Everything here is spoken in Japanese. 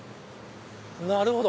なるほど。